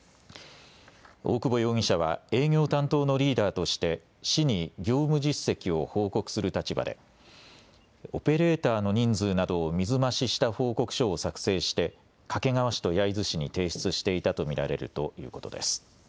大久保容疑者は営業担当のリーダーとして市に業務実績を報告する立場でオペレーターの人数などを水増しした報告書を作成して掛川市と焼津市に提出していたと見られるということです。